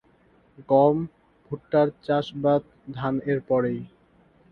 গম, ভুট্টার চাষাবাদ ধান এর পরেই।